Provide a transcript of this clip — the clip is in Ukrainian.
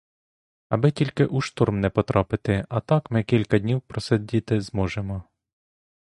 Аби тільки у шторм не потрапити, а так ми кілька днів просидіти зможемо.